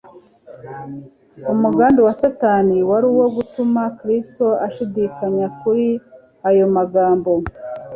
Umugambi wa Satani wari uwo gutuma Kristo ashidikanya kuri ayo magambo.